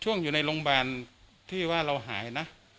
อยู่ในโรงพยาบาลที่ว่าเราหายนะ